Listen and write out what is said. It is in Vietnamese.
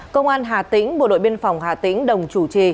công an hà tĩnh bộ đội biên phòng hà tĩnh đồng chủ trì